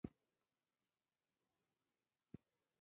وسله د قومونو تر منځ وېره ده